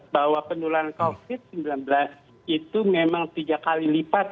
bahwa penularan covid sembilan belas itu memang tiga kali lipat